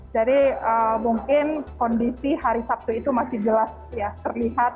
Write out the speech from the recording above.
jadi mungkin kondisi hari sabtu itu masih jelas terlihat